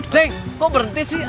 ceng kok berhenti sih